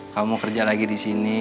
kamu kerja lagi disini